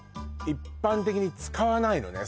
一般的に使わないのね